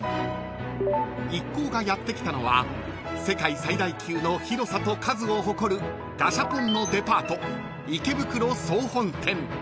［一行がやって来たのは世界最大級の広さと数を誇るガシャポンのデパート池袋総本店］